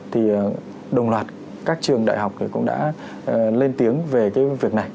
thì đồng loạt các trường đại học cũng đã lên tiếng về cái việc này